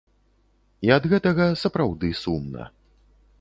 І ад гэтага сапраўды сумна.